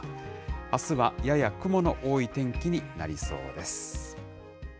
あすはやや雲の多い天気になりそうです。